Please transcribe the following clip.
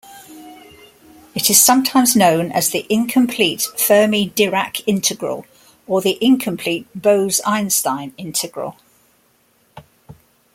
It is sometimes known as the incomplete Fermi-Dirac integral or the incomplete Bose-Einstein integral.